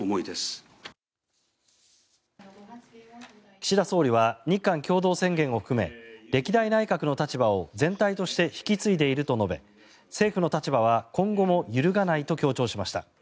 岸田総理は日韓共同宣言を含め歴代内閣の立場を全体として引き継いでいると述べ政府の立場は今後も揺るがないと強調しました。